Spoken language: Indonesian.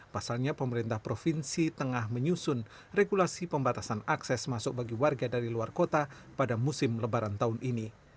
pasalnya pemerintah provinsi tengah menyusun regulasi pembatasan akses masuk bagi warga dari luar kota pada musim lebaran tahun ini